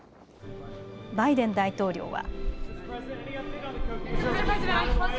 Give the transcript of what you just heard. バイデン大統領は。